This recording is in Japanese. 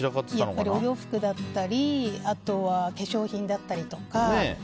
やっぱりお洋服だったり化粧品だったりとか。